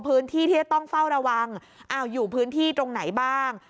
พื้นที่ที่จะต้องเฝ้าระวังอยู่พื้นที่ตรงไหนบ้าง